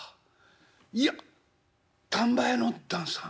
いやっ丹波屋の旦さん？